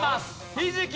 ひじき。